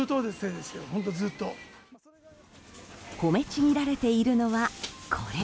褒めちぎられているのはこれ。